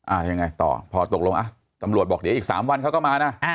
ยังไงต่อพอตกลงอ่ะตำรวจบอกเดี๋ยวอีก๓วันเขาก็มานะ